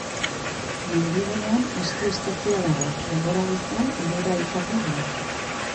Mendigunean eski estazioa dago, denbora luzean elurra izaten delako.